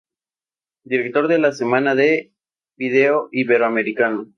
Director de la Semana de Vídeo Iberoamericano.